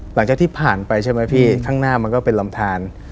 หลังจากที่ผ่านไปใช่ไหมพี่ข้างหน้ามันก็เป็นลำทาน